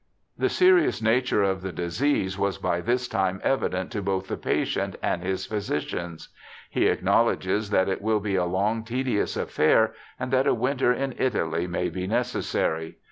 The serious nature of the disease was by this time evident to both the patient and his physicians. He acknowledges that it will be a long, tedious affair, and that a winter in Italy may be necessary.